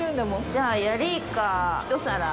じゃあ、ヤリイカ一皿。